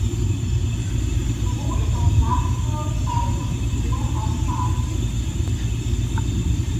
Sowohl das Langhaus als auch der Chor haben Maßwerkfenster.